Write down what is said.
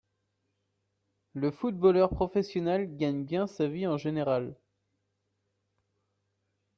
Le footballeur professionnel gagne bien sa vie en général